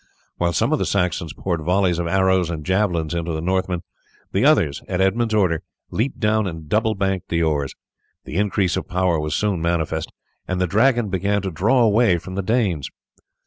While some of the Saxons poured volleys of arrows and javelins into the Northmen, the others at Edmund's order leaped down and double banked the oars. The increase of power was soon manifest, and the Dragon began to draw away from the Danes.